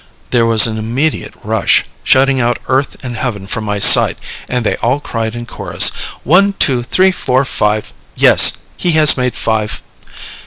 There was an immediate rush, shutting out earth and heaven from my sight, and they all cried in chorus, "One, two, three, four, five, yes, he has made five!"